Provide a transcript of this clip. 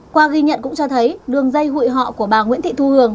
qua ghi nhận cũng cho thấy đường dây hụi họ của bà nguyễn thị thu hường